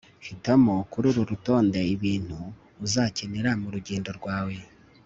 hitamo kururu rutonde ibintu uzakenera murugendo rwawe